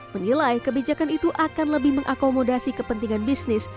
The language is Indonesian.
menilai kebijakan itu akan lebih mengakomodasi kepentingan bisnis